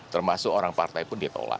termasuk orang partai pun ditolak